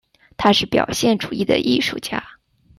他是表现主义的艺术家。